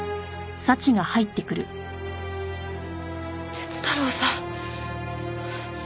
鐵太郎さん。